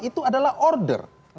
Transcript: itu adalah order